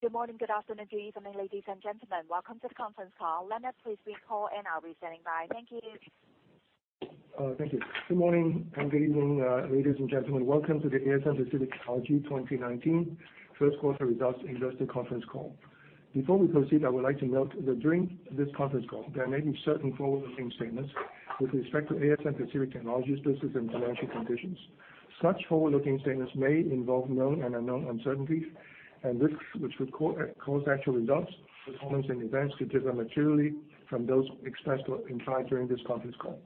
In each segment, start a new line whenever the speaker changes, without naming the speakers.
Good morning, good afternoon, good evening, ladies and gentlemen. Welcome to the conference call. Leonard, please begin call, and I'll be standing by. Thank you.
Thank you. Good morning and good evening, ladies and gentlemen. Welcome to the ASM Pacific Technology 2019 first quarter results investor conference call. Before we proceed, I would like to note that during this conference call, there may be certain forward-looking statements with respect to ASM Pacific Technology's business and financial conditions. Such forward-looking statements may involve known and unknown uncertainties and risks, which would cause actual results, performance, and events to differ materially from those expressed or implied during this conference call.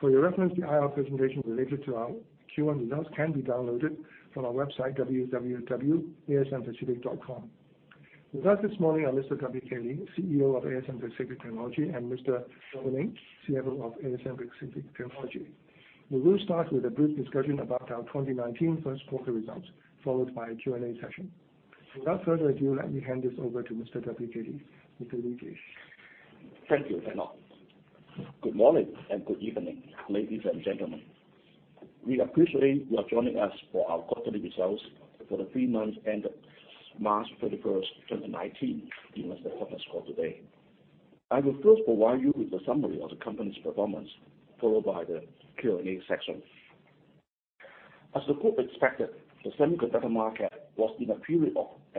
For your reference, the IR presentation related to our Q1 results can be downloaded from our website, www.asmpacific.com. With us this morning are Mr. W.K. Lee, CEO of ASM Pacific Technology, and Mr. Robin Ng, CFO of ASM Pacific Technology. We will start with a brief discussion about our 2019 first quarter results, followed by a Q&A session. Without further ado, let me hand this over to Mr. W.K. Lee. Mr. Lee, please.
Thank you, Leonard. Good morning and good evening, ladies and gentlemen. We appreciate you are joining us for our quarterly results for the three months ended March 31st, 2019, investor conference call today. I will first provide you with a summary of the company's performance, followed by the Q&A section.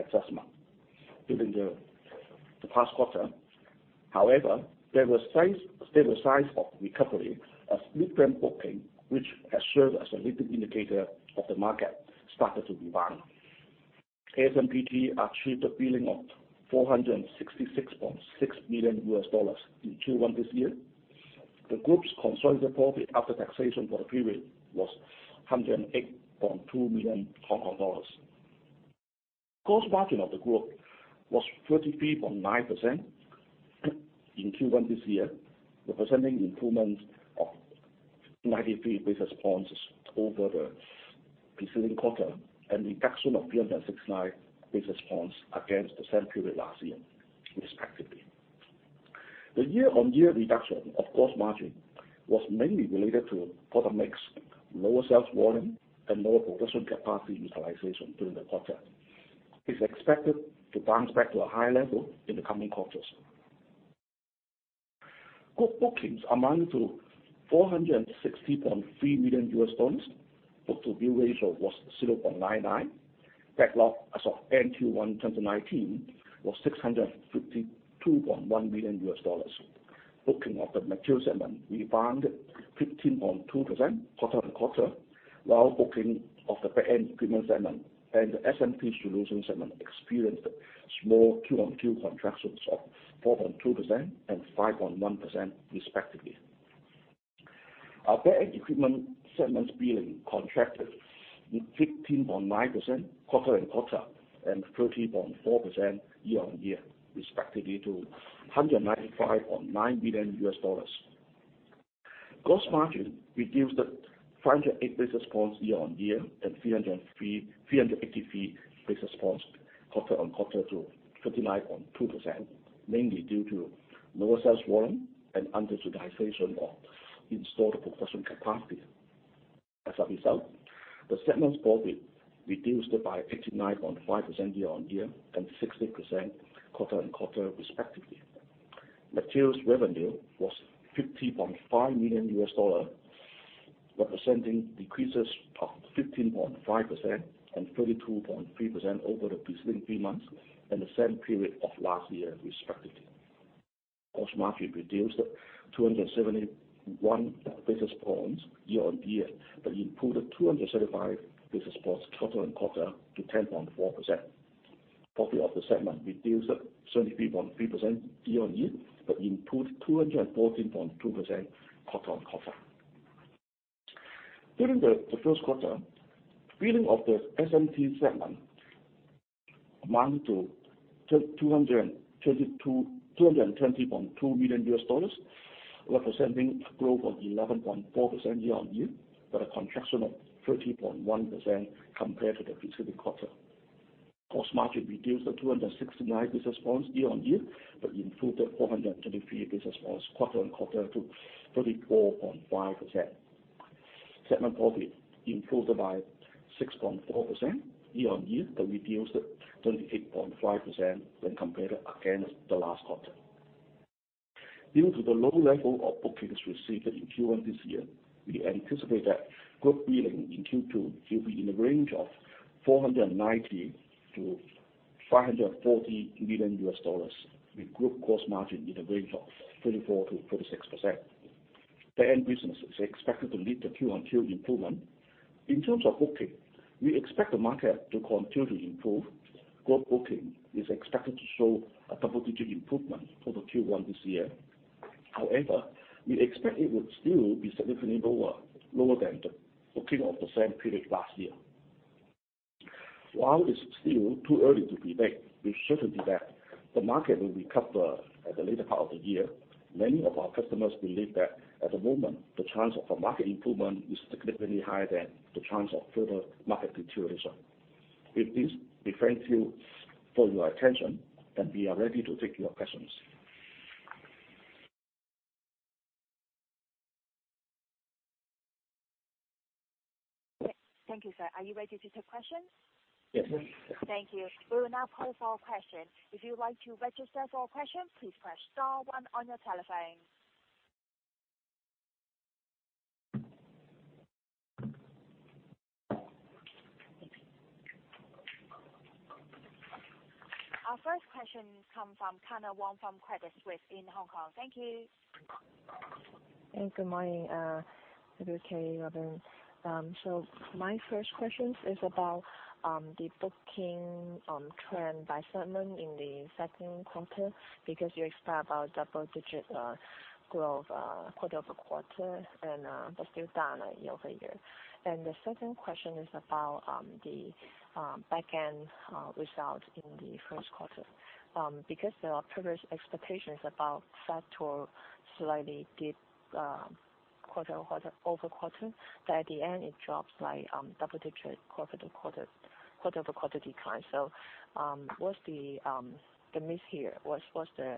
As the group expected, the semiconductor market was in a period of assessment during the past quarter. However, there were signs of recovery as mid-term booking, which has served as a leading indicator of the market, started to rebound. ASMPT achieved a billing of $466.6 million in Q1 this year. The group's consolidated profit after taxation for the period was HKD 108.2 million. Gross margin of the group was 33.9% in Q1 this year, representing improvement of 93 basis points over the preceding quarter and reduction of 369 basis points against the same period last year, respectively. The year-on-year reduction of gross margin was mainly related to product mix, lower sales volume, and lower production capacity utilization during the quarter. It's expected to bounce back to a high level in the coming quarters. Group bookings amounted to $460.3 million. Book-to-bill ratio was 0.99. Backlog as of end Q1 2019 was $652.1 million. Booking of the materials segment rebound 15.2% quarter-on-quarter, while booking of the back-end equipment segment and the SMT solutions segment experienced small Q-on-Q contractions of 4.2% and 5.1%, respectively. Our back-end equipment segment's billing contracted 15.9% quarter-on-quarter and 13.4% year-on-year, respectively, to $195.9 million. Gross margin reduced 508 basis points year-on-year and 383 basis points quarter-on-quarter to 39.2%, mainly due to lower sales volume and under-utilization of installed production capacity. As a result, the segment's profit reduced by 89.5% year-on-year and 16% quarter-on-quarter, respectively. Materials revenue was $50.5 million, representing decreases of 15.5% and 32.3% over the preceding three months and the same period of last year, respectively. Gross margin reduced 271 basis points year-on-year but improved 275 basis points quarter-on-quarter to 10.4%. Profit of the segment reduced 73.3% year-on-year but improved 214.2% quarter-on-quarter. During the first quarter, billing of the SMT segment amounted to $220.2 million, representing growth of 11.4% year-on-year, but a contraction of 30.1% compared to the preceding quarter. Gross margin reduced 269 basis points year-on-year, but improved 433 basis points quarter-on-quarter to 34.5%. Segment profit improved by 6.4% year-on-year but reduced 28.5% when compared against the last quarter. Due to the low level of bookings received in Q1 this year, we anticipate that group billing in Q2 will be in the range of $490 million-$540 million, with group gross margin in the range of 34%-36%. The end business is expected to lead the Q-on-Q improvement. In terms of booking, we expect the market to continue to improve. Group booking is expected to show a double-digit improvement over Q1 this year. We expect it would still be significantly lower than the booking of the same period last year. While it's still too early to predict with certainty that the market will recover at the later part of the year, many of our customers believe that at the moment, the chance of a market improvement is significantly higher than the chance of further market deterioration. With this, we thank you for your attention, and we are ready to take your questions.
Thank you, sir. Are you ready to take questions?
Yes, ma'am.
Thank you. We will now pose for questions. If you would like to register for a question, please press star one on your telephone. Our first question comes from Kyna Wong from Credit Suisse in Hong Kong. Thank you.
Good morning, W.K., Robin. My first question is about the booking trend by segment in the second quarter, because you expect about double-digit growth quarter-over-quarter and that's still down year-over-year. The second question is about the back end result in the first quarter. Because there are previous expectations about flat or slightly deep quarter-over-quarter, but at the end, it drops like double-digit quarter-over-quarter decline. What's the miss here? What's the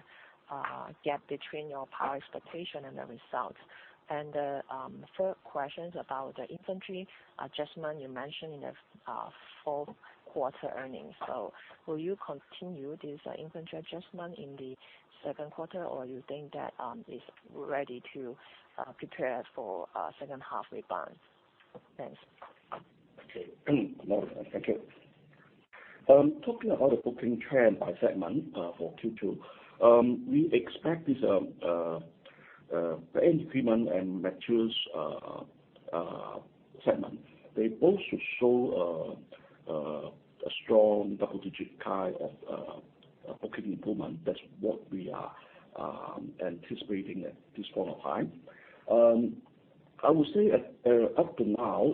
gap between your prior expectation and the results? The third question is about the inventory adjustment you mentioned in the fourth quarter earnings. Will you continue this inventory adjustment in the second quarter, or you think that it's ready to prepare for second half rebound? Thanks.
Okay. Thank you. Talking about the booking trend by segment for Q2. We expect this back-end equipment and materials segment. They both should show a strong double-digit kind of booking improvement. That's what we are anticipating at this point in time. I would say up to now,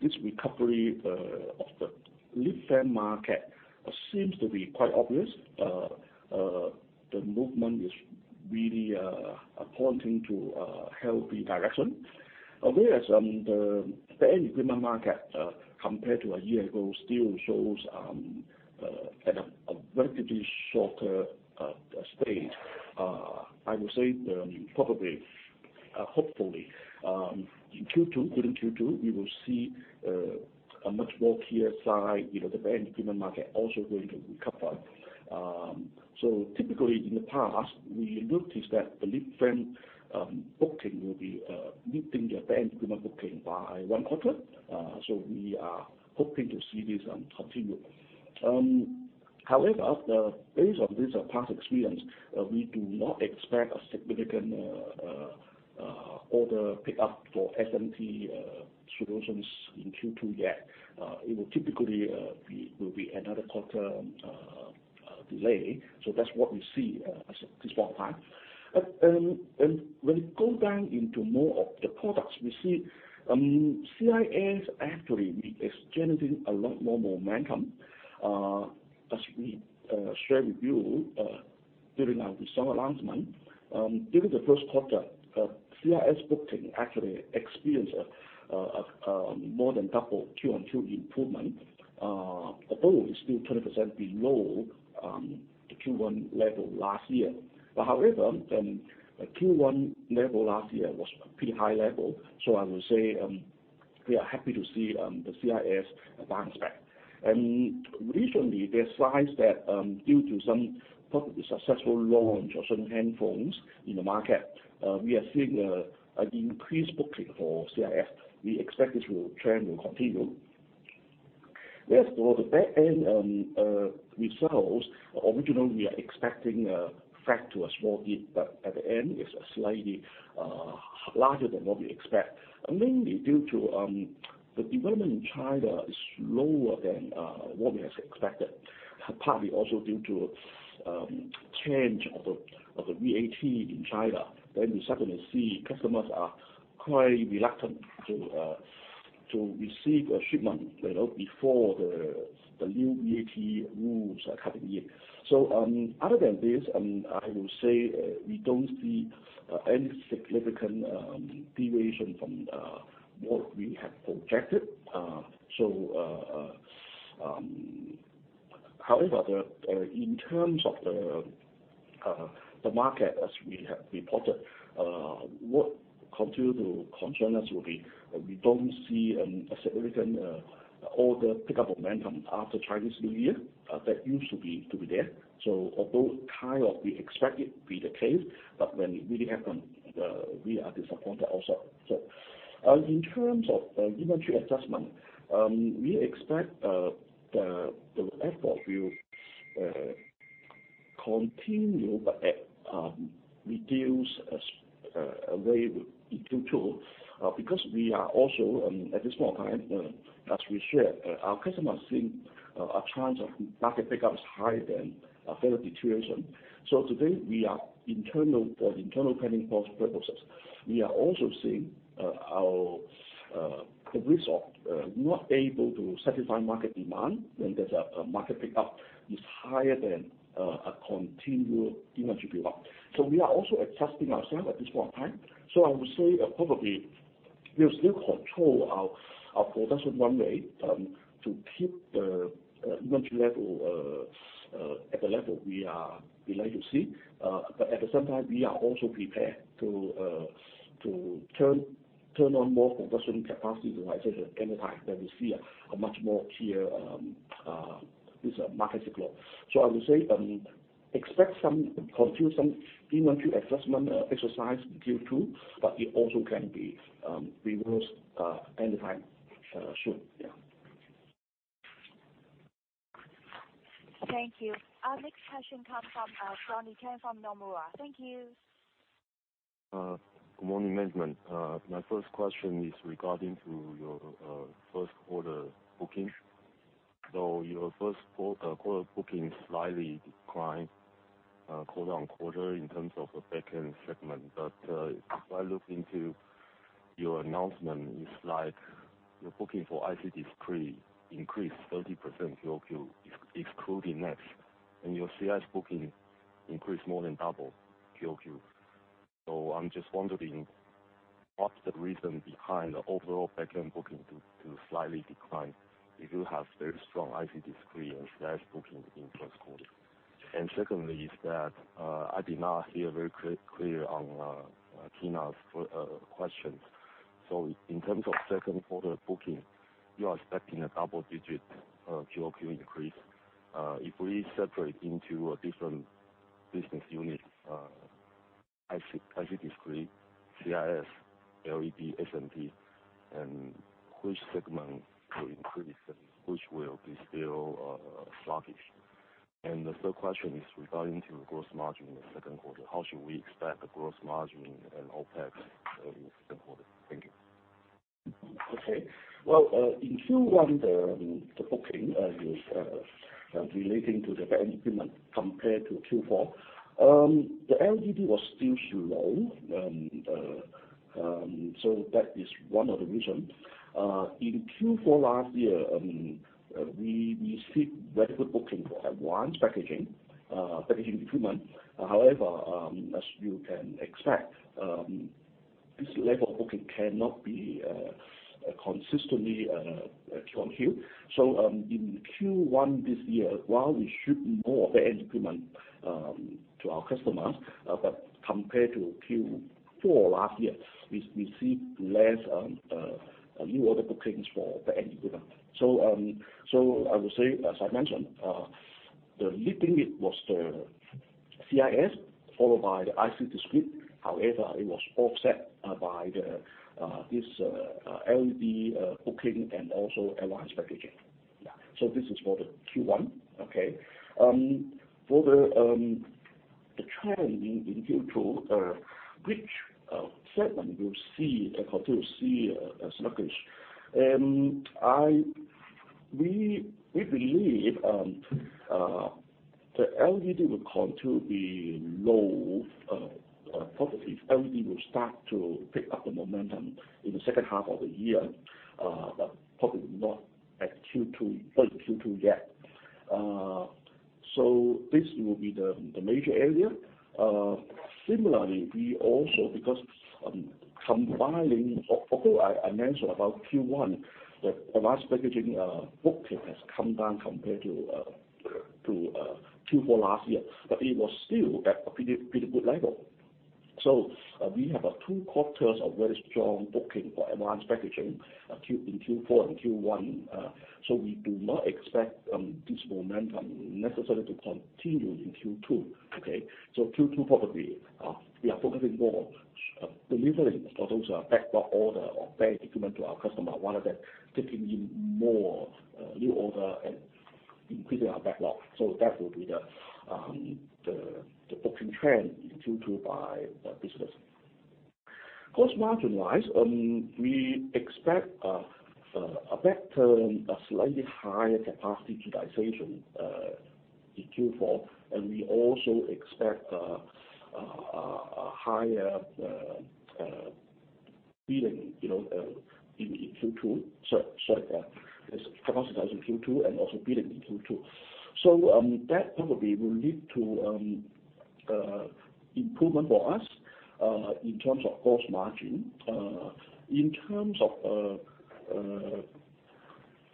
this recovery of the lead frame market seems to be quite obvious. The movement is really pointing to a healthy direction. Whereas the back-end equipment market compared to a year ago, still shows at a relatively shorter stage. I would say probably, hopefully, during Q2, we will see a much more clear sign. The back-end equipment market also going to recover. Typically, in the past, we noticed that the lead frame booking will be meeting the back-end equipment booking by one quarter. We are hoping to see this continue. Based on this past experience, we do not expect a significant order pickup for SMT solutions in Q2 yet. It will typically be another quarter delay. That's what we see at this point in time. When we go down into more of the products we see, CIS actually is generating a lot more momentum. As we shared with you during our [summer] announcement, during the first quarter, CIS booking actually experienced more than double Q on Q improvement. Although it is still 20% below the Q1 level last year. However, the Q1 level last year was pretty high level. I would say, we are happy to see the CIS advance back. Recently, they signed that due to some probably successful launch of certain headphones in the market, we are seeing an increased booking for CIS. We expect this trend will continue. As for the back end results, originally, we are expecting a flat to a small dip, but at the end it's slightly larger than what we expect, mainly due to the development in China is slower than what we have expected. Partly also due to change of the VAT in China, then we suddenly see customers are quite reluctant to receive a shipment before the new VAT rules come in. Other than this, I will say we don't see any significant deviation from what we have projected. In terms of the market, as we have reported, what continue to concern us will be, we don't see a significant order pickup momentum after Chinese New Year that used to be there. Although kind of we expect it to be the case, but when it really happened, we are disappointed also. In terms of inventory adjustment, we expect the effort will continue but at reduced rate in Q2, because we are also, at this point in time, as we share, our customers seeing a chance of market pick up is higher than a further deterioration. Today, we are internal planning processes. We are also seeing the risk of not being able to satisfy market demand when there's a market pickup is higher than a continued inventory build-up. We are also adjusting ourselves at this point in time. I would say probably we'll still control our production run rate to keep the inventory level at the level we like to see. At the same time, we are also prepared to turn on more conversion capacity, like I said, anytime that we see a much clearer market cycle. I would say, expect some confusion, some inventory adjustment exercise in Q2, but it also can be reversed anytime soon.
Thank you. Our next question comes from Donnie Teng from Nomura. Thank you.
Good morning, management. My first question is regarding to your first quarter bookings. Your first quarter bookings slightly declined quarter-on-quarter in terms of the back-end segment. If I look into your announcement, it is like your booking for IC discrete increased 30% QOQ, excluding NEXX, and your CIS booking increased more than double QOQ. I am just wondering, what is the reason behind the overall back-end booking to slightly decline if you have very strong IC discrete and CIS bookings in first quarter? Secondly is that, I did not hear very clear on Kyna's questions. In terms of second quarter booking, you are expecting a double-digit QOQ increase. If we separate into a different business unit, IC discrete, CIS, LED, SMT, which segment will increase and which will be still sluggish? The third question is regarding to the gross margin in the second quarter. How should we expect the gross margin and OpEx in the second quarter? Thank you.
In Q1, the booking is relating to the back-end equipment compared to Q4. That is one of the reasons. In Q4 last year, we see very good booking for advanced packaging equipment. As you can expect, this level of booking cannot be consistently from here. In Q1 this year, while we ship more of the back-end equipment to our customers, but compared to Q4 last year, we see less new order bookings for the back-end equipment. I would say, as I mentioned, the leading it was the CIS, followed by the IC discrete. However, it was OSAT by this LED booking and also advanced packaging. This is for the Q1, okay? For the trend in Q2, which segment we continue to see as sluggish. We believe the LED will continue to be low. Probably LED will start to pick up the momentum in the second half of the year, but probably not at Q2 yet. This will be the major area. Similarly, we also, although I mentioned about Q1, the advanced packaging booking has come down compared to Q4 last year, but it was still at a pretty good level. We have two quarters of very strong booking for advanced packaging, in Q4 and Q1. We do not expect this momentum necessarily to continue in Q2, okay? Q2, probably, we are focusing more on delivering those backlog orders of back-end equipment to our customer, rather than taking in more new orders and increasing our backlog. That will be the booking trend in Q2 by business. Gross margin-wise, we expect a better and a slightly higher capacity utilization in Q4, and we also expect a higher billing in Q2. Sorry, capacity in Q2 and also billing in Q2. That probably will lead to improvement for us in terms of gross margin. In terms of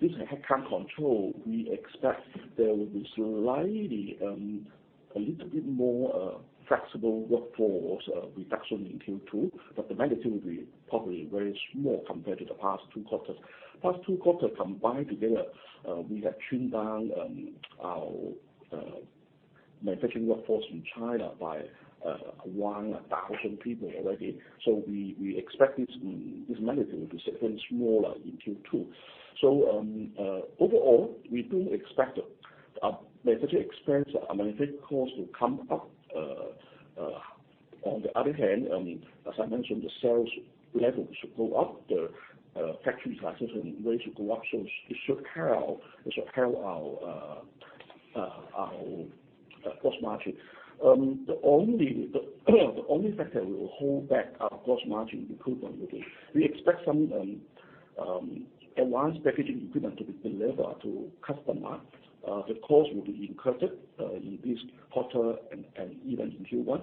this head count control, we expect there will be slightly, a little bit more flexible workforce reduction in Q2, but the magnitude will be probably very small compared to the past two quarters. Past two quarters combined together, we have trimmed down our manufacturing workforce in China by 1,000 people already. We expect this magnitude to be even smaller in Q2. Overall, we do expect our manufacturing expense, our manufacturing cost will come up. On the other hand, as I mentioned, the sales level should go up, the factory utilization rate should go up, it should help our gross margin. The only factor we will hold back our gross margin improvement will be, we expect some advanced packaging equipment to be delivered to customer. The cost will be incurred in this quarter and even in Q1.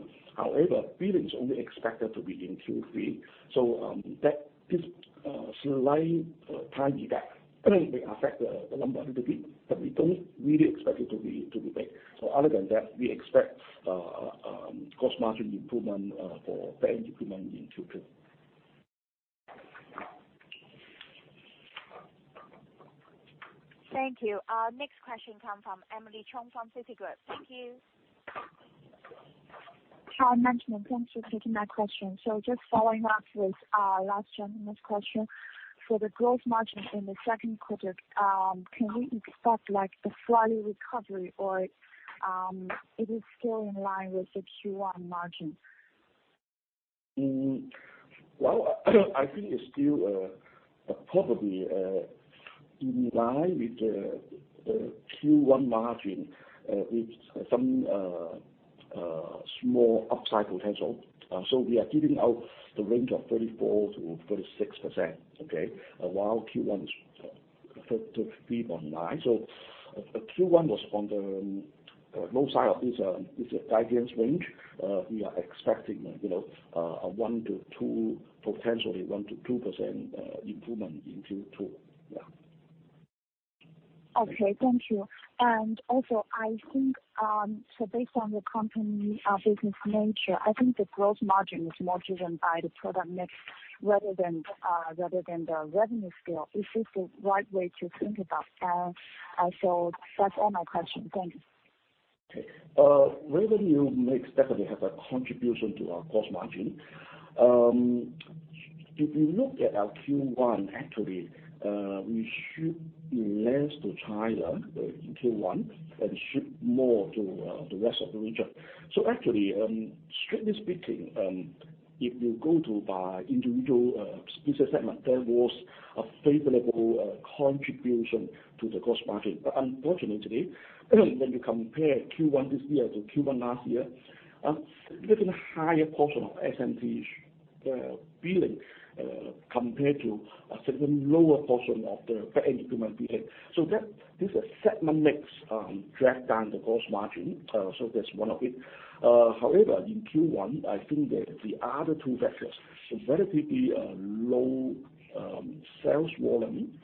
Billing is only expected to be in Q3. This slight, tiny gap may affect the number a little bit, but we don't really expect it to be big. Other than that, we expect cost margin improvement for back-end equipment in Q3.
Thank you. Our next question comes from Emily Chung from Citigroup. Thank you.
Hi, management. Thanks for taking my question. Just following up with last gentleman's question. For the gross margin in the second quarter, can we expect a steady recovery, or it is still in line with the Q1 margin?
Well, I think it's still probably in line with the Q1 margin, with some small upside potential. We are giving out the range of 34%-36%, okay, while Q1 is 33.9%. Q1 was on the low side of this guidance range. We are expecting potentially 1%-2% improvement in Q2. Yeah.
Okay. Thank you. Also, based on the company business nature, I think the gross margin is more driven by the product mix rather than the revenue scale. Is this the right way to think about? Also that's all my question. Thank you.
Okay. Revenue mix definitely has a contribution to our cost margin. If you look at our Q1, actually, we shipped less to China in Q1 and shipped more to the rest of the region. Actually, strictly speaking, if you go by individual business segment, there was a favorable contribution to the cost margin. Unfortunately, when you compare Q1 this year to Q1 last year, a slightly higher portion of SMT's billing compared to a slightly lower portion of the back-end equipment bill. This segment mix dragged down the gross margin. That's one of it. However, in Q1, I think that the other two factors, relatively low sales volume,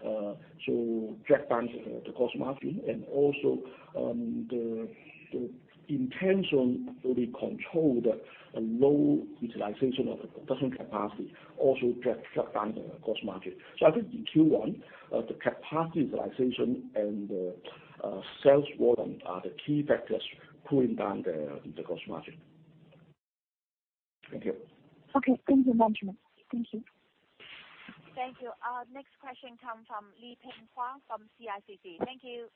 dragged down the cost margin and also the intention to control the low utilization of the production capacity also dragged down the cost margin. I think in Q1, the capacity utilization and the sales volume are the key factors pulling down the cost margin. Thank you.
Okay. Thank you, management. Thank you.
Thank you. Our next question come from Leping Huang from CICC. Thank you.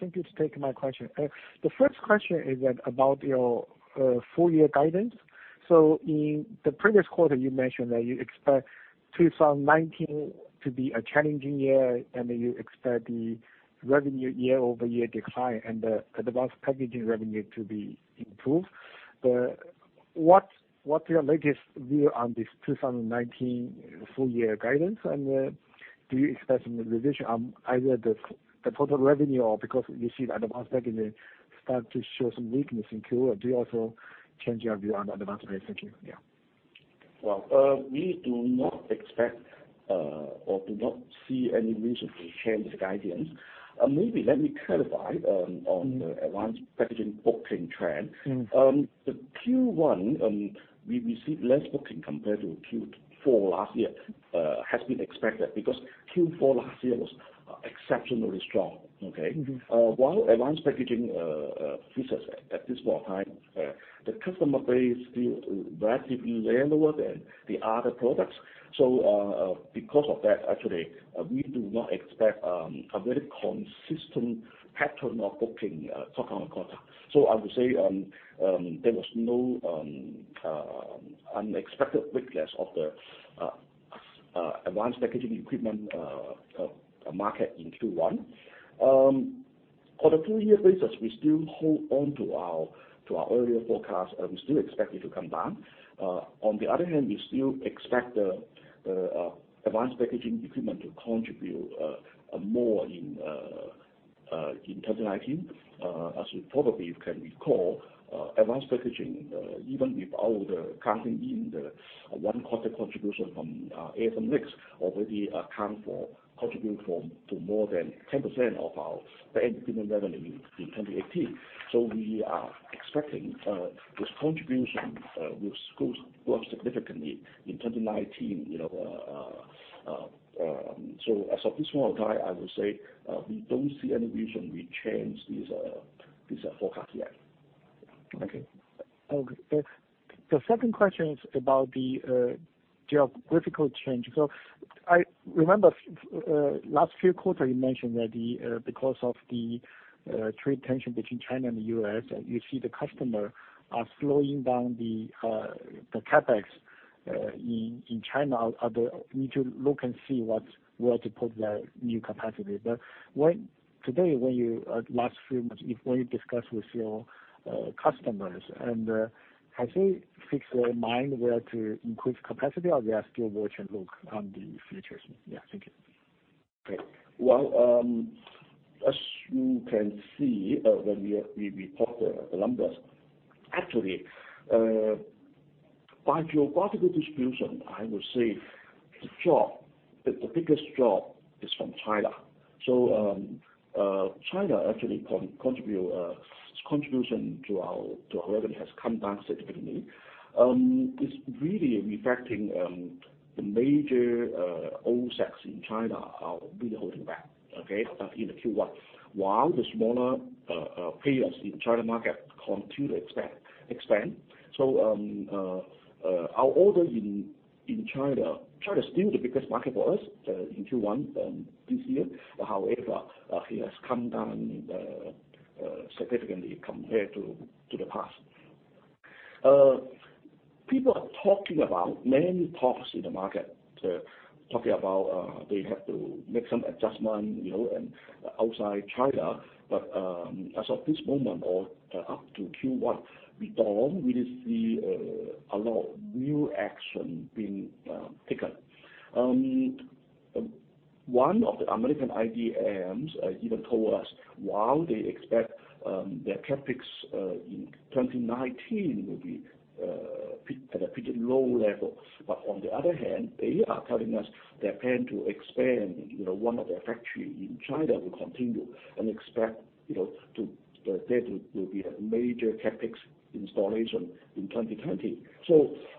Thank you to take my question. The first question is about your full-year guidance. In the previous quarter, you mentioned that you expect 2019 to be a challenging year, and you expect the revenue year-over-year decline and the advanced packaging revenue to be improved. What's your latest view on this 2019 full-year guidance, and do you expect some revision on either the total revenue or because you see the advanced packaging start to show some weakness in Q1? Do you also change your view on advanced packaging? Yeah.
Well, we do not expect, or do not see any reason to change the guidance. Maybe let me clarify on the advanced packaging booking trend. The Q1, we received less booking compared to Q4 last year. It has been expected because Q4 last year was exceptionally strong. Okay? While advanced packaging business at this point in time, the customer base is still relatively lower than the other products. Because of that, actually, we do not expect a very consistent pattern of booking quarter on quarter. I would say, there was no unexpected weakness of the advanced packaging equipment market in Q1. On a full-year basis, we still hold on to our earlier forecast, and we still expect it to come down. On the other hand, we still expect the advanced packaging equipment to contribute more in 2019. As you probably can recall, advanced packaging, even without counting in the one-quarter contribution from ASM Pacific, already contribute to more than 10% of our back-end equipment revenue in 2018. We are expecting this contribution will grow significantly in 2019. As of this point in time, I will say, we don't see any reason we change this forecast yet. Okay.
Okay. The second question is about geographical change. I remember last few quarters you mentioned that because of the trade tension between China and the U.S., you see the customer are slowing down the CapEx in China, need to look and see where to put their new capacity. Today, last few months, when you discuss with your customers, have they fixed their mind where to increase capacity, or they are still watching, look on the futures? Yeah. Thank you.
Okay. Well, as you can see, when we report the numbers, actually, by geographical distribution, I would say the biggest drop is from China. China actually its contribution to our revenue has come down significantly. It's really reflecting the major OSATs in China are really holding back, okay, in the Q1, while the smaller players in China market continue to expand. Our order in China is still the biggest market for us in Q1 this year. However, it has come down significantly compared to the past. People are talking about many talks in the market, talking about they have to make some adjustment, and outside China. As of this moment or up to Q1, we don't really see a lot of new action being taken. One of the American IDMs even told us while they expect their CapEx in 2019 will be at a pretty low level. On the other hand, they are telling us they plan to expand, one of their factory in China will continue and expect there to be a major CapEx installation in 2020.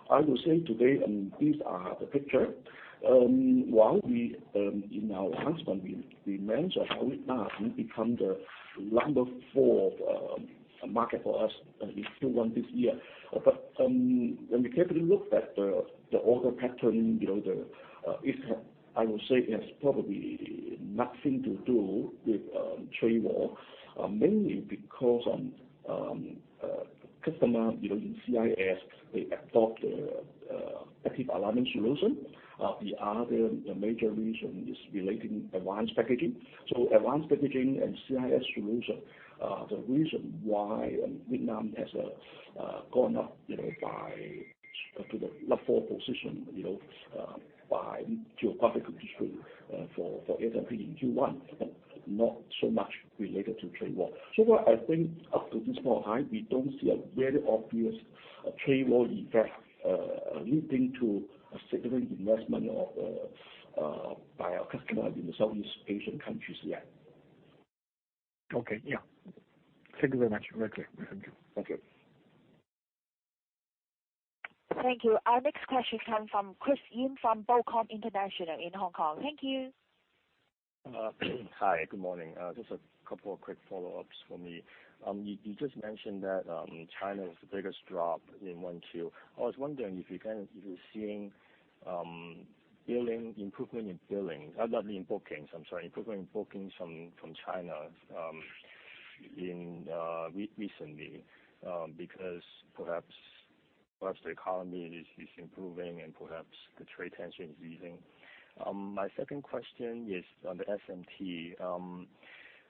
I will say today, these are the picture, while we, in our announcement, we mentioned how Vietnam has become the number 4 market for us in Q1 this year. When we carefully look at the order pattern, I would say it has probably nothing to do with trade war. Mainly because on customer, in CIS, they adopt the active alignment solution. The other major reason is relating advanced packaging. Advanced packaging and CIS solution, the reason why Vietnam has gone up to the number 4 position by geographical distribution for SMT in Q1, not so much related to trade war. What I think up to this point in time, we don't see a very obvious trade war effect leading to a significant investment by our customers in the Southeast Asian countries yet.
Okay. Yeah. Thank you very much. Very clear. Thank you.
Thank you.
Thank you. Our next question come from Christopher Yim from Bocom International in Hong Kong. Thank you.
Hi, good morning. Just a couple of quick follow-ups for me. You just mentioned that China was the biggest drop in 1Q. I was wondering if you're seeing improvement in bookings from China recently because perhaps the economy is improving and perhaps the trade tension is easing. My second question is on the SMT.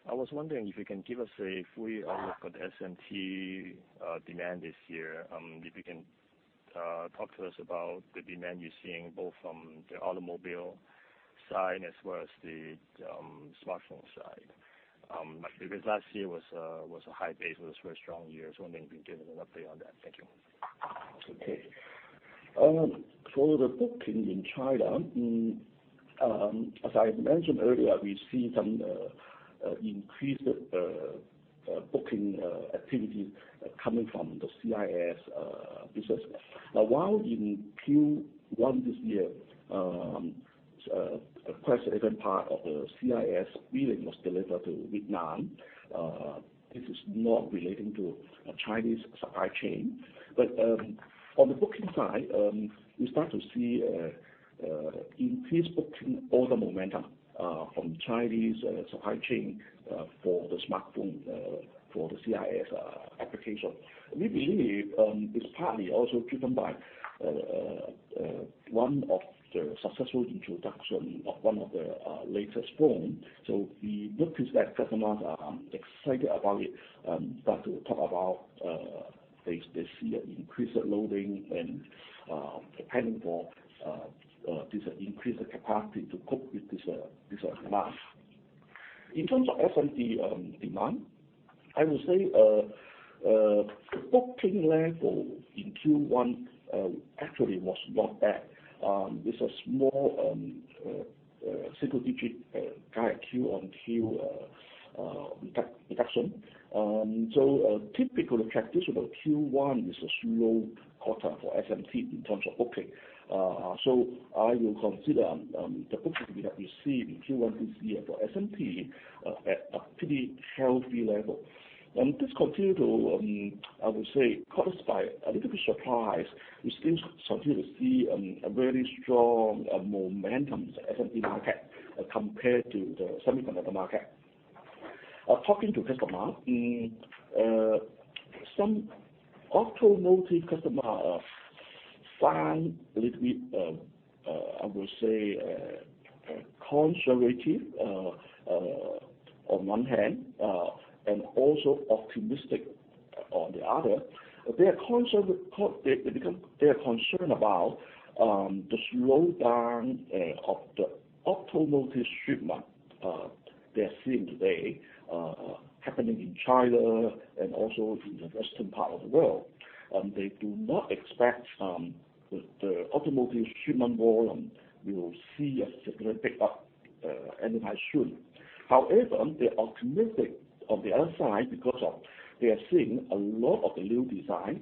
I was wondering if you can give us a full outlook on SMT demand this year. If you can talk to us about the demand you're seeing both from the automobile side as well as the smartphone side. Because last year was a high base, was a very strong year. I was wondering if you can give us an update on that. Thank you.
Okay. For the booking in China, as I mentioned earlier, we see some increased booking activities coming from the CIS business. While in Q1 this year, quite an event part of the CIS business was delivered to Vietnam. This is not relating to Chinese supply chain. On the booking side, we start to see increased booking order momentum from Chinese supply chain for the smartphone, for the CIS application. We believe it's partly also driven by one of the successful introduction of one of the latest phone. We notice that customers are excited about it. Start to talk about they see an increased loading and planning for this increased capacity to cope with this demand. In terms of SMT demand, I would say the booking level in Q1 actually was not bad. It's a small single-digit kind of Q on Q reduction. A typical characteristic of Q1 is a slow quarter for SMT in terms of booking. I will consider the booking that we have received in Q1 this year for SMT at a pretty healthy level. This continue to, I would say, caused by a little bit surprise. We still continue to see a very strong momentum in the SMT market. Compared to the semiconductor market. Talking to customers, some automotive customers are slightly, I would say, conservative on one hand, and also optimistic on the other. They are concerned because they are concerned about the slowdown of the automotive shipment they're seeing today, happening in China and also in the western part of the world. They do not expect the automotive shipment volume will see a significant pickup anytime soon. They are optimistic on the other side because they are seeing a lot of the new design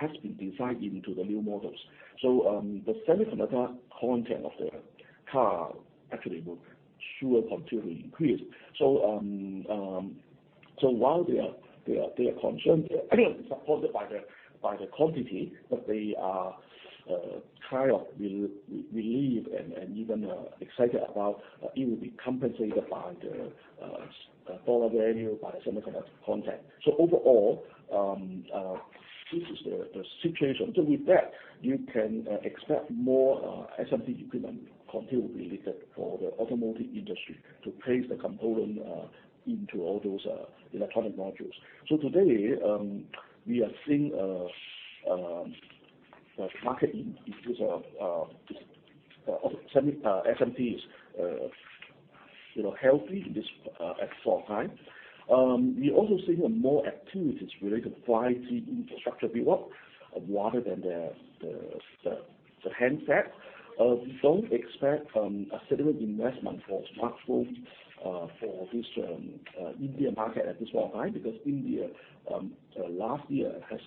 has been designed into the new models. The semiconductor content of the car actually will sure continually increase. While they are concerned, supported by the quantity, but they are kind of relieved and even excited about it will be compensated by the dollar value by semiconductor content. Overall, this is the situation. With that, you can expect more SMT equipment continually needed for the automotive industry to place the component into all those electronic modules. Today, we are seeing the market in terms of SMT's healthy at this point in time. We are also seeing more activities related to 5G infrastructure build-up rather than the handset. We don't expect a significant investment for smartphones for this Indian market at this point in time, because India, last year, has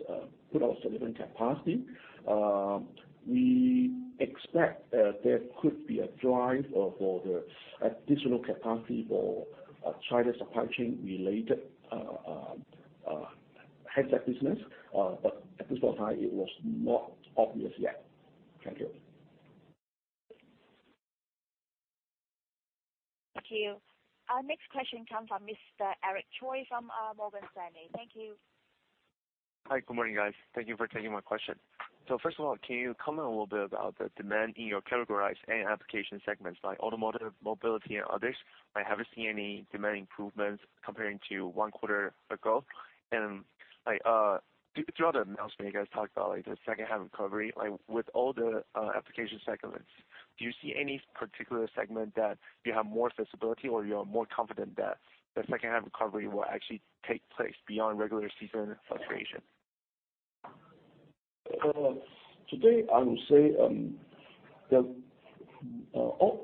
put out significant capacity. We expect there could be a drive for the additional capacity for China supply chain-related handset business. At this point in time, it was not obvious yet. Thank you.
Thank you. Our next question comes from Mr. Eric Troy from Morgan Stanley. Thank you.
Hi. Good morning, guys. Thank you for taking my question. First of all, can you comment a little bit about the demand in your categorized end application segments like automotive, mobility, and others? Have you seen any demand improvements comparing to one quarter ago? Throughout the announcement, you guys talked about the second half recovery. With all the application segments, do you see any particular segment that you have more visibility or you are more confident that the second half recovery will actually take place beyond regular seasonal fluctuation?
Today, I will say,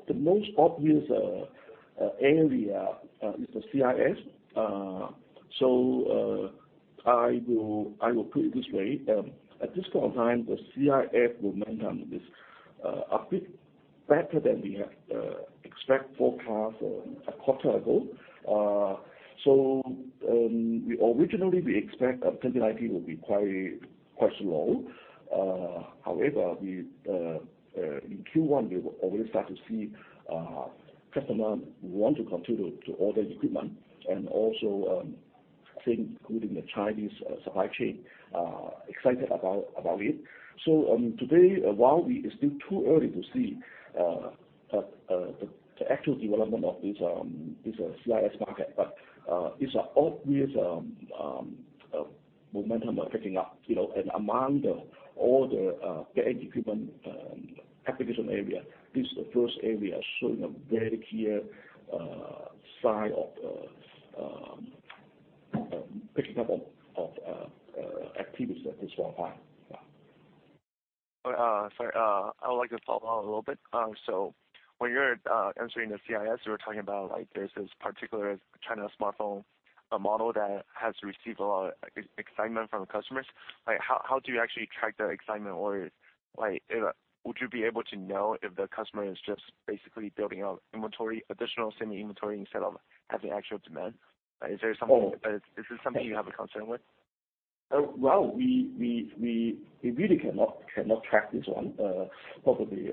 the most obvious area is the CIS. I will put it this way. At this point in time, the CIS momentum is a bit better than we had forecast a quarter ago. Originally, we expect 2019 will be quite slow. However, in Q1, we already start to see customers want to continue to order equipment, and also including the Chinese supply chain, excited about it. Today, while it's still too early to see the actual development of this CIS market, but it's obvious momentum are picking up. Among all the FA equipment application area, this is the first area showing a very clear sign of picking up of activities at this point in time. Yeah.
Sorry. I would like to follow up a little bit. When you're answering the CIS, you were talking about there's this particular China smartphone model that has received a lot of excitement from customers. How do you actually track the excitement, or would you be able to know if the customer is just basically building out additional semi-inventory instead of having actual demand? Is this something you have a concern with?
Well, we really cannot track this one. Probably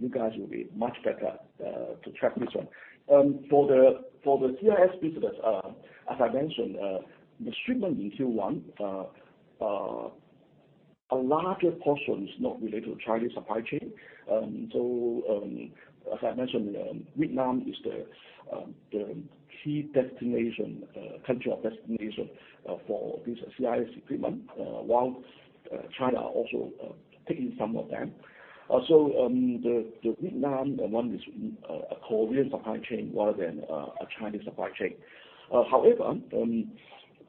you guys will be much better to track this one. For the CIS business, as I mentioned, the shipment in Q1, a larger portion is not related to Chinese supply chain. As I mentioned, Vietnam is the key country of destination for this CIS equipment, while China also taking some of them. The Vietnam one is a Korean supply chain rather than a Chinese supply chain. However,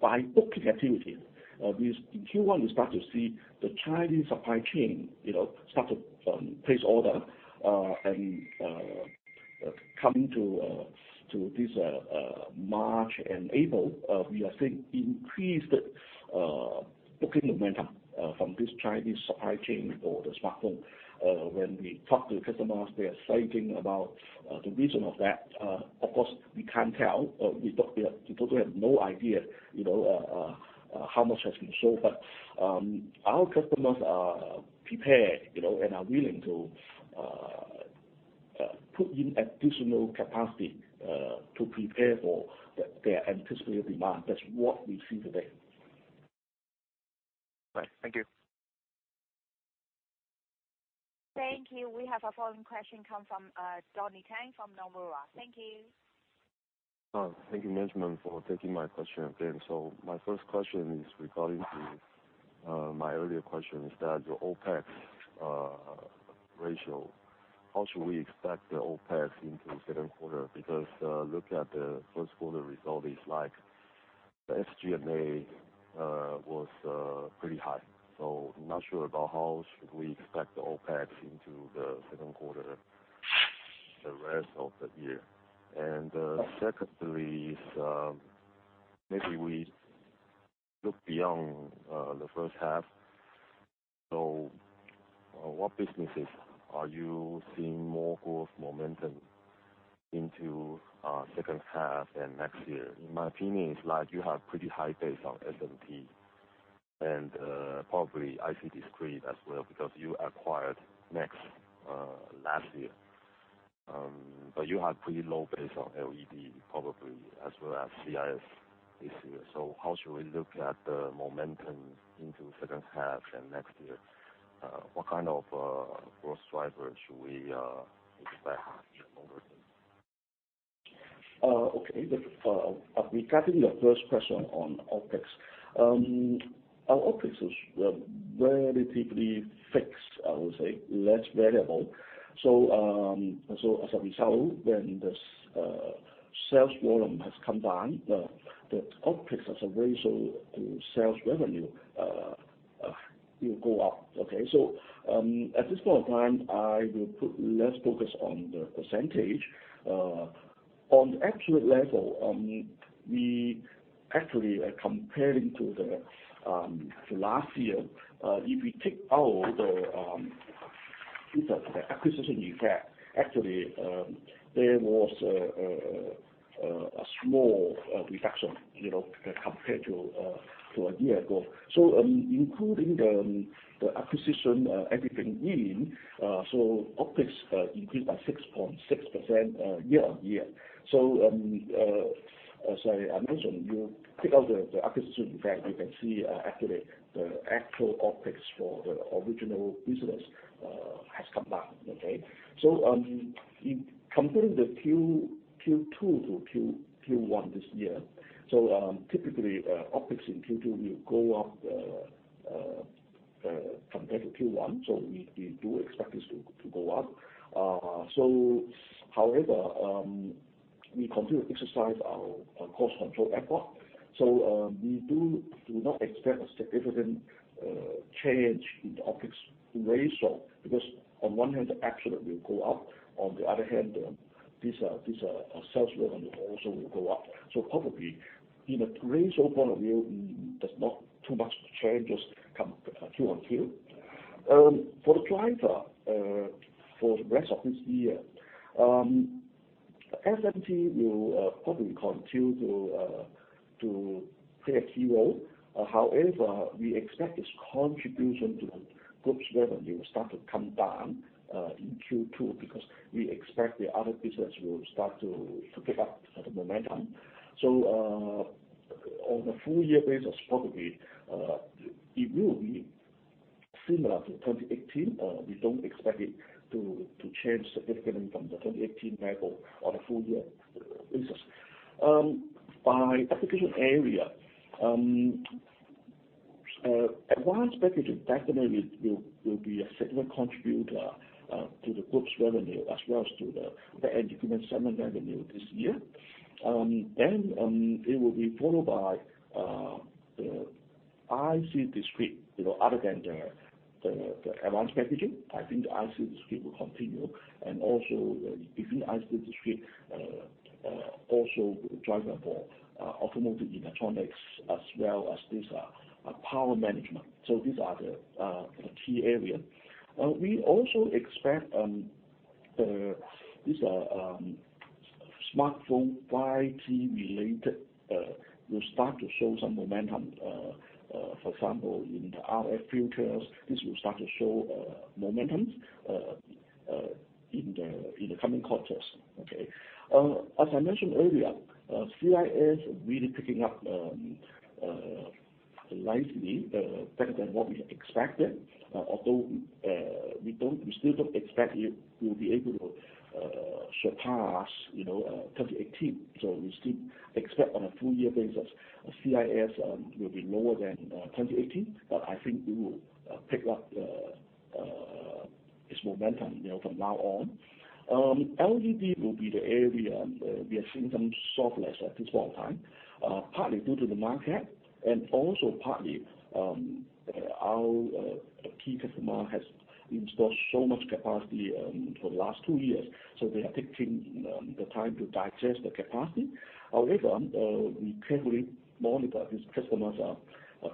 by booking activity, in Q1, we start to see the Chinese supply chain start to place orders. Coming to this March and April, we are seeing increased booking momentum from this Chinese supply chain for the smartphone. When we talk to the customers, they are citing about the reason of that. Of course, we can't tell. We totally have no idea how much has been sold. Our customers are prepared and are willing to put in additional capacity to prepare for their anticipated demand. That's what we see today.
Right. Thank you.
Thank you. We have our following question come from Donnie Teng from Nomura. Thank you.
Thank you management for taking my question again. My first question is regarding to my earlier question, is that your OpEx ratio? How should we expect the OpEx into second quarter? Because looking at the first quarter result is like SG&A was pretty high. I'm not sure about how should we expect the OpEx into the second quarter, the rest of the year. Secondly is, maybe we look beyond the first half. What businesses are you seeing more growth momentum into second half and next year? In my opinion, it's like you have pretty high base on SMT. Probably IC discrete as well, because you acquired NEXX last year. You have pretty low base on LED, probably as well as CIS this year. How should we look at the momentum into second half and next year? What kind of growth driver should we expect in overall?
Okay. Regarding the first question on OpEx. Our OpEx is relatively fixed, I would say, less variable. As a result, when this sales volume has come down, the OpEx as a ratio to sales revenue will go up. Okay. At this point of time, I will put less focus on the percentage. On the absolute level, we actually are comparing to the last year. If we take out the acquisition effect, actually, there was a small reduction compared to a year ago. Including the acquisition, everything in, so OpEx increased by 6.6% year-on-year. As I mentioned, you take out the acquisition effect, you can see actually the actual OpEx for the original business has come down. Okay. Comparing the Q2 to Q1 this year, so typically, OpEx in Q2 will go up compared to Q1. We do expect this to go up. However, we continue to exercise our cost control effort. We do not expect a significant change in the OpEx ratio because on one hand, the absolute will go up, on the other hand, these sales revenue also will go up. Probably in a ratio point of view, there's not too much changes come Q on Q. For the driver, for the rest of this year. SMT will probably continue to play a key role. However, we expect this contribution to the group's revenue will start to come down in Q2 because we expect the other business will start to pick up the momentum. On a full year basis, probably, it will be similar to 2018. We don't expect it to change significantly from the 2018 level on a full year basis. By application area, advanced packaging definitely will be a significant contributor to the group's revenue as well as to the management revenue this year. Then, it will be followed by the IC discrete. Other than the advanced packaging, I think the IC discrete will continue, and also within IC discrete, also driver for automotive electronics as well as these power management. These are the key area. We also expect these smartphone 5G related, will start to show some momentum. For example, in the RF filters, this will start to show momentum in the coming quarters. Okay. As I mentioned earlier, CIS really picking up nicely, better than what we had expected. Although we still don't expect it will be able to surpass 2018. We still expect on a full year basis, CIS will be lower than 2018, but I think we will pick up this momentum from now on. LED will be the area where we are seeing some softness at this point of time, partly due to the market and also partly our key customer has installed so much capacity for the last two years. They are taking the time to digest the capacity. However, we carefully monitor this customer's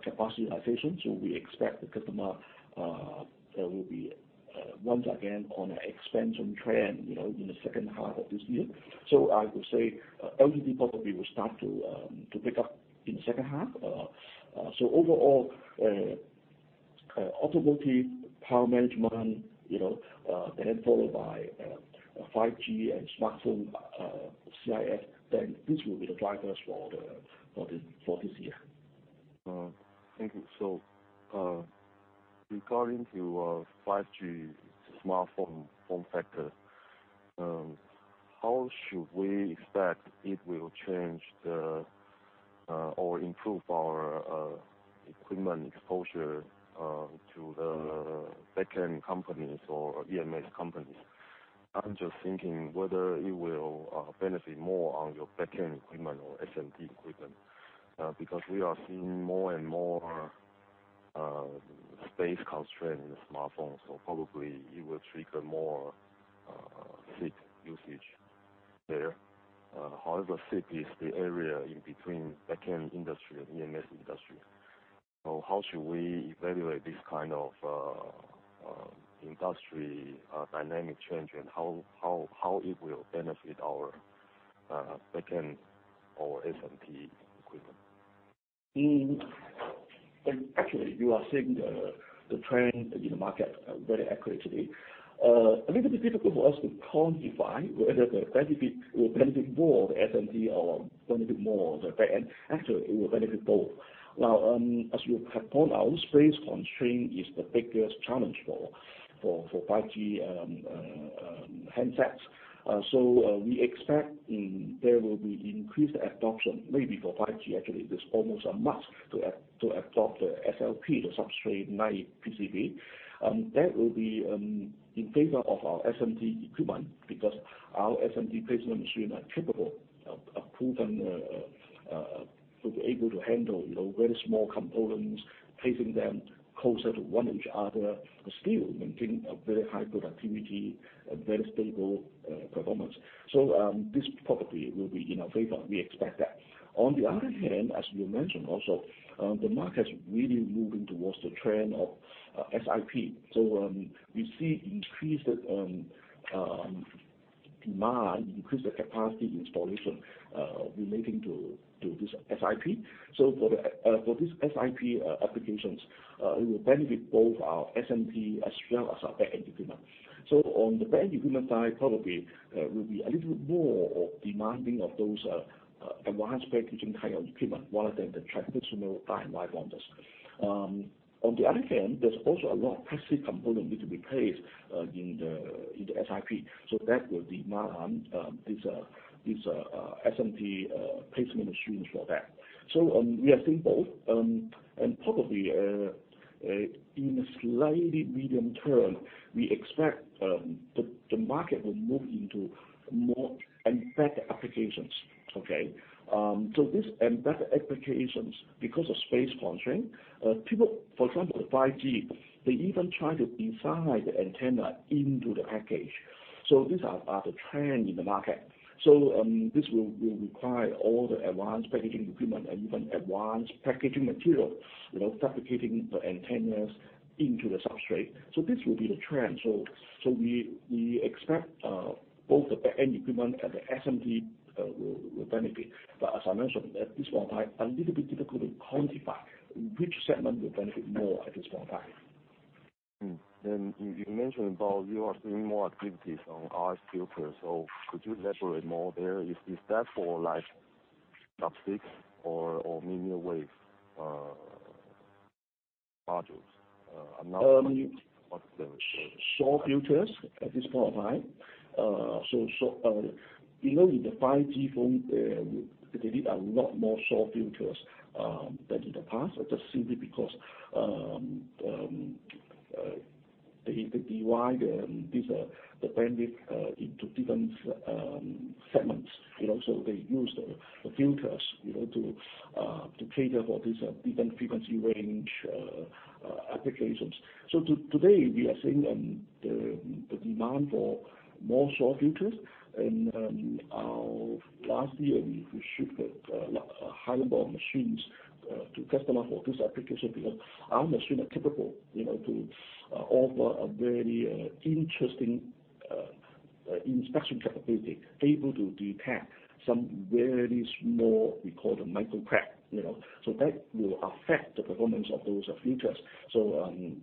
capacity utilization. We expect the customer will be once again on an expansion trend in the second half of this year. I would say LED probably will start to pick up in the second half. Overall, automotive power management, followed by 5G and smartphone CIS, these will be the drivers for this year.
Thank you. Regarding to 5G smartphone form factor, how should we expect it will change or improve our equipment exposure to the back-end companies or EMS companies? I'm just thinking whether it will benefit more on your back-end equipment or SMT equipment, because we are seeing more and more space constraints in the smartphone. Probably it will trigger more SiP usage there. However, SiP is the area in between back-end industry and EMS industry. How should we evaluate this kind of industry dynamic change, and how it will benefit our back-end or SMT equipment?
Actually, you are seeing the trend in the market very accurately. A little bit difficult for us to quantify whether the benefit will benefit more the SMT or benefit more the back-end. Actually, it will benefit both. As you point out, space constraint is the biggest challenge for 5G handsets. We expect there will be increased adoption, maybe for 5G, actually, that's almost a must to adopt the SLP, the substrate-like PCB. That will be in favor of our SMT equipment because our SMT placement machines are capable, are proven to be able to handle very small components, placing them closer to one each other, but still maintaining a very high productivity, a very stable performance. This probably will be in our favor. We expect that. On the other hand, as you mentioned also, the market is really moving towards the trend of SiP. We see increased demand, increased capacity installation relating to this SiP. For these SiP applications, it will benefit both our SMT as well as our back-end equipment. On the back-end equipment side, probably will be a little more demanding of those advanced packaging kind of equipment rather than the traditional die and wire bonders. On the other hand, there's also a lot of passive component need to be placed in the SiP. That will demand these SMT placement machines for that. We are seeing both, and probably in a slightly medium term, we expect the market will move into more embedded applications. These embedded applications, because of space constraint, people, for example, the 5G, they even try to design the antenna into the package. These are the trend in the market. This will require all the advanced packaging equipment and even advanced packaging material, fabricating the antennas into the substrate. This will be the trend. We expect both the back-end equipment and the SMT will benefit. As I mentioned, at this point in time, a little bit difficult to quantify which segment will benefit more at this point in time.
You mentioned about you are seeing more activities on RF filter, so could you elaborate more there? Is that for sub-6 or mmWave modules?
SAW filters at this point of time. In the 5G phone, they need a lot more SAW filters than in the past, just simply because they divide these bandwidth into different segments. They use the filters to cater for these different frequency range applications. Today, we are seeing the demand for more SAW filters, and last year, we shipped a lot, a high number of machines to customer for this application, because our machines are capable to offer a very interesting inspection capability, able to detect some very small, we call them microcrack. That will affect the performance of those filters.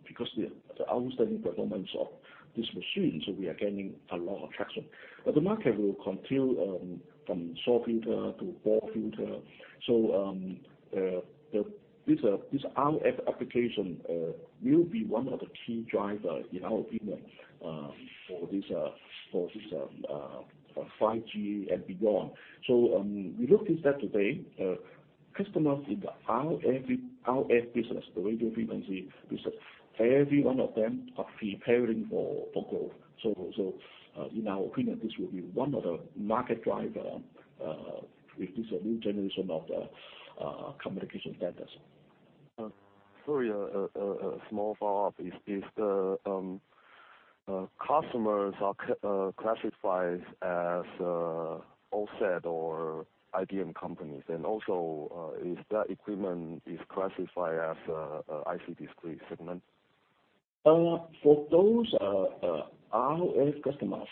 Because the outstanding performance of this machine, we are gaining a lot of traction. The market will continue from SAW filter to BAW filter. This RF application will be one of the key driver, in our opinion, for this 5G and beyond. We look at that today, customers in the RF business, the radio frequency business, every one of them are preparing for growth. In our opinion, this will be one of the market driver with this new generation of communication standards.
Sorry, a small follow-up. Is the customers are classified as OSAT or IDM companies, and also, is that equipment is classified as IC discrete segment?
For those RF customers,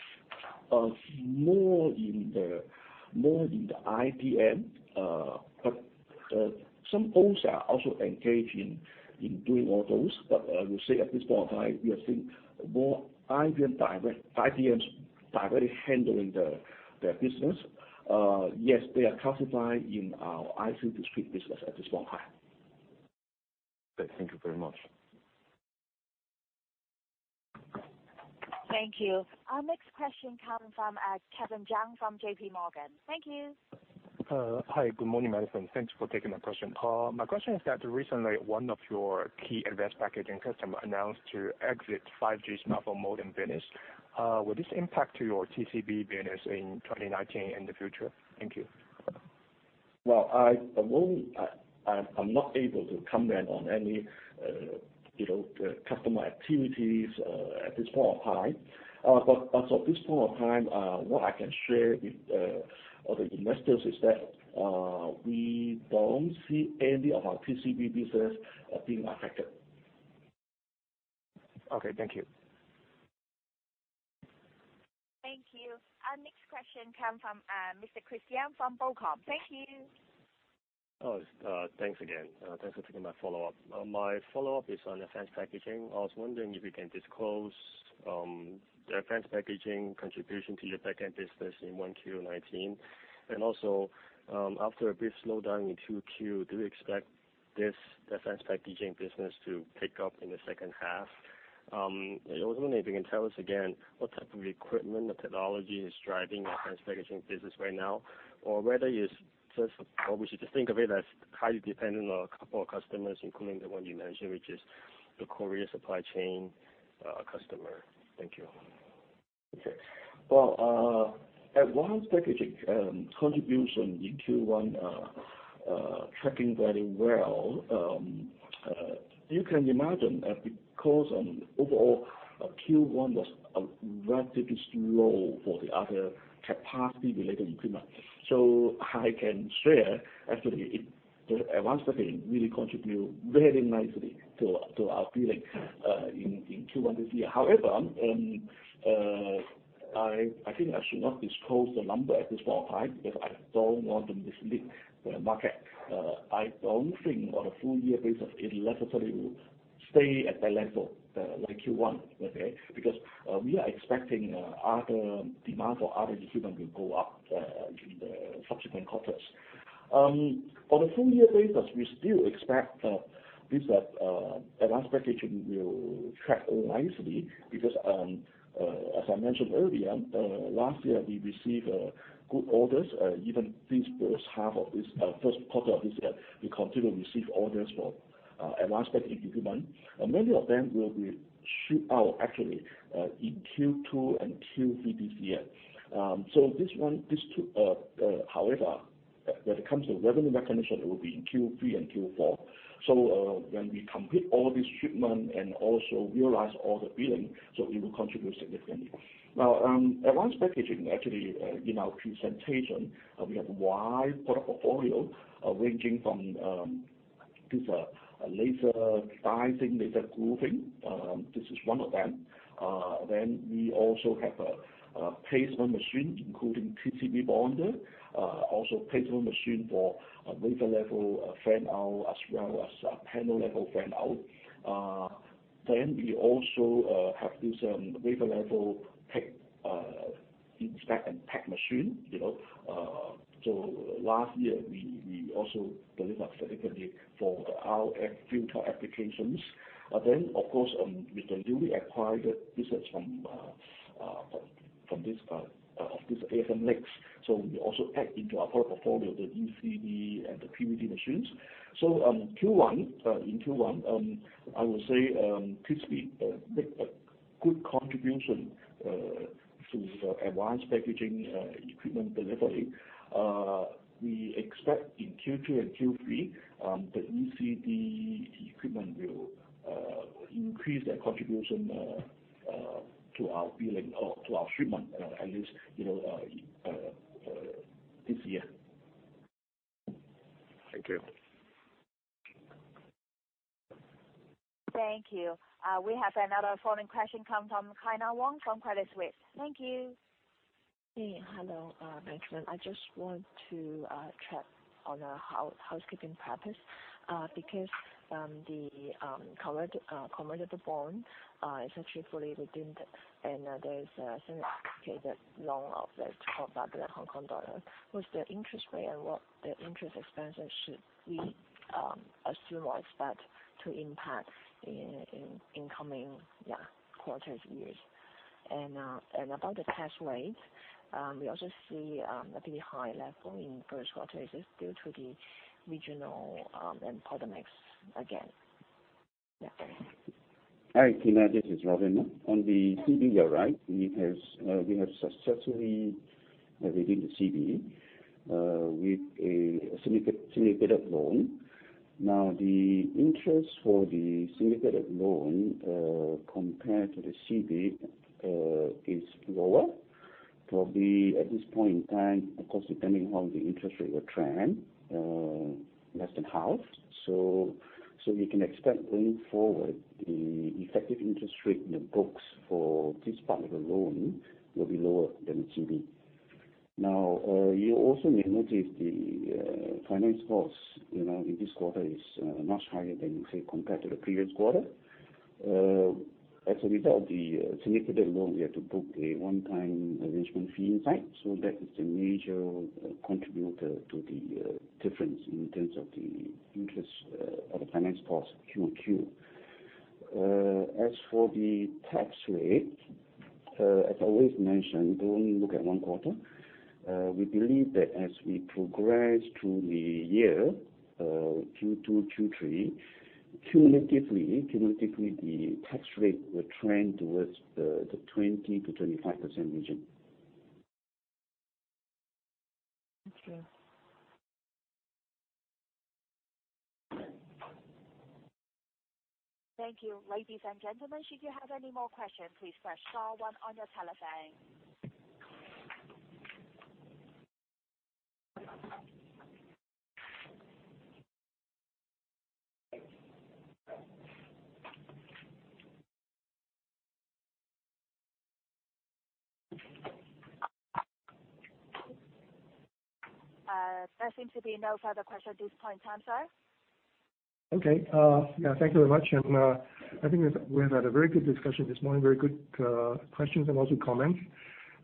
more in the IDM. Some also are engaged in doing all those. I will say at this point in time, we are seeing more IDMs directly handling their business. Yes, they are classified in our IC discrete business at this point in time.
Great. Thank you very much.
Thank you. Our next question comes from Kevin Jiang from J.P. Morgan. Thank you.
Hi. Good morning, Benjamin. Thanks for taking my question. My question is that recently one of your key advanced packaging customers announced to exit 5G smartphone modem business. Will this impact your TCB business in 2019 and the future? Thank you.
Well, I'm not able to comment on any customer activities at this point in time. As of this point in time, what I can share with the investors is that, we don't see any of our TCB business being affected.
Okay, thank you.
Thank you. Our next question comes from Mr. Chris Yim from Bocom. Thank you.
Thanks again. Thanks for taking my follow-up. My follow-up is on advanced packaging. I was wondering if you can disclose the advanced packaging contribution to your back-end business in 1Q19, and also, after a brief slowdown in 2Q, do you expect this advanced packaging business to pick up in the second half? I was wondering if you can tell us again what type of equipment or technology is driving your advanced packaging business right now, or whether we should just think of it as highly dependent on a couple of customers, including the one you mentioned, which is the Korean supply chain customer. Thank you.
Well, advanced packaging contribution in Q1 are tracking very well. You can imagine that because overall Q1 was relatively slow for the other capacity-related equipment. I can share, actually, the advanced packaging really contributed very nicely to our billing in Q1 this year. However, I think I should not disclose the number at this point in time because I don't want to mislead the market. I don't think on a full year basis it necessarily will stay at that level, like Q1, okay? Because we are expecting other demands for other equipment will go up in the subsequent quarters. On a full year basis, we still expect this advanced packaging will track nicely because, as I mentioned earlier, last year we received good orders. Even since the first quarter of this year, we continue to receive orders for advanced packaging equipment. Many of them will be shipped out actually in Q2 and Q3 this year. However, when it comes to revenue recognition, it will be in Q3 and Q4. When we complete all these shipments and also realize all the billing, it will contribute significantly. Advanced packaging, actually in our presentation, we have a wide product portfolio ranging from this laser dicing, laser grooving. This is one of them. We also have a placement machine, including TCB bonder, also placement machine for wafer level fan-out as well as panel level fan-out. We also have this wafer level pick, inspect, and pack machine. Last year, we also delivered significantly for the RF filter applications. Of course, with the newly acquired business from this ASMPT NEXX. We also add into our product portfolio the ECD and the PVD machines. In Q1, I would say TCB made a good contribution to the advanced packaging equipment delivery. We expect in Q2 and Q3, the ECD equipment will increase their contribution to our shipment at least this year.
Thank you.
Thank you. We have another following question come from Kyna Wong from Credit Suisse. Thank you.
Hello, Benjamin. I just want to check on a housekeeping purpose. Because the convertible bond is actually fully redeemed, and there is a syndicated loan of that Hong Kong dollar. What's the interest rate, and what the interest expenses should we assume or expect to impact in coming quarters, years? About the tax rate, we also see a pretty high level in first quarter. Is this due to the regional and product mix again? Yeah.
Hi, Kyna. This is Robin. On the CB, you're right. We have successfully redeemed the CB with a syndicated loan. Now, the interest for the syndicated loan, compared to the CB, is lower. Probably at this point in time, of course, depending how the interest rate will trend, less than half. We can expect going forward, the effective interest rate in the books for this part of the loan will be lower than the CB. Now, you also may notice the finance cost in this quarter is much higher than, say, compared to the previous quarter. As a result of the significant loan, we had to book a one-time arrangement fee. So that is the major contributor to the difference in terms of the interest of the finance cost QoQ. As for the tax rate, as always mentioned, don't look at one quarter. We believe that as we progress through the year, Q2, Q3, cumulatively, the tax rate will trend towards the 20%-25% region.
Thank you.
Thank you. Ladies and gentlemen, should you have any more questions, please press star one on your telephone. There seem to be no further questions at this point in time, sir.
Okay. Yeah, thank you very much. I think we've had a very good discussion this morning. Very good questions and also comments.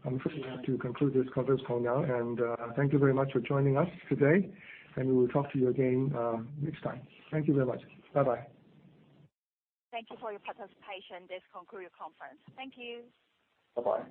I'm afraid we have to conclude this conference call now. Thank you very much for joining us today. We will talk to you again next time. Thank you very much. Bye-bye.
Thank you for your participation. This concludes our conference. Thank you.
Bye-bye.